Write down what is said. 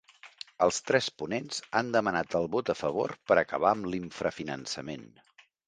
Els tres ponents han demanat el vot a favor per acabar amb l’infrafinançament.